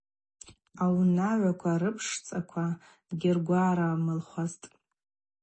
Аунагӏваква рыпшцӏаква дгьыргварамылхуазтӏ.